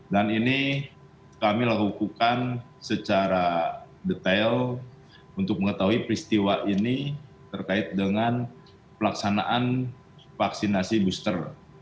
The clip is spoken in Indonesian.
ini kami lakukan secara detail untuk mengetahui peristiwa ini terkait dengan pelaksanaan vaksinasi booster